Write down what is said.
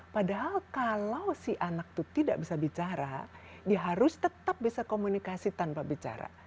padahal kalau si anak itu tidak bisa bicara dia harus tetap bisa komunikasi tanpa bicara